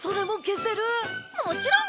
もちろん！